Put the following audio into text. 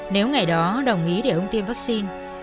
nếu ngày đó đồng ý để ông tiêm vaccine